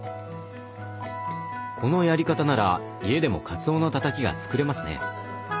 このやり方なら家でもかつおのたたきが作れますね。